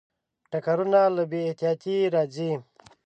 ټکرونه له بې احتیاطۍ راځي.